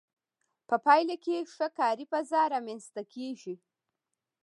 په پایله کې ښه کاري فضا رامنځته کیږي.